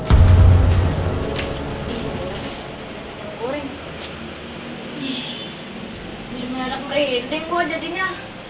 merendeng gue jadinya